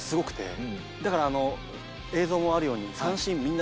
だから映像もあるように。